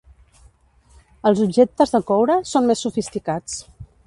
Els objectes de coure són més sofisticats.